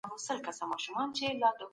يرموک د تاريخ يو روښانه باب دی.